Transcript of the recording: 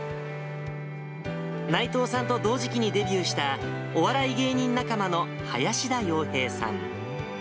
内藤さんと同時期にデビューしたお笑い芸人仲間の林田洋平さん。